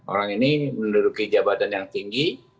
orang ini menduduki jabatan yang tinggi